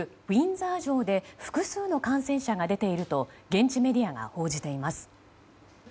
ウィンザー城で複数の感染者が出ていると現地メディアが報じています。